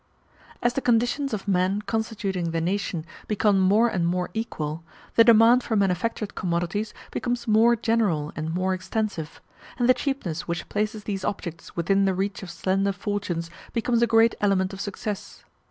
As the conditions of men constituting the nation become more and more equal, the demand for manufactured commodities becomes more general and more extensive; and the cheapness which places these objects within the reach of slender fortunes becomes a great element of success.